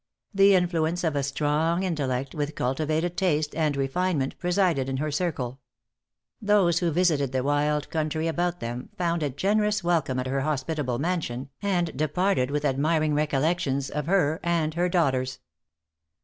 The influence of a strong intellect, with cultivated taste and refinement, presided in her circle. Those who visited the wild country about them found a generous welcome at her hospitable mansion, and departed with admiring recollections of' her and her daughters.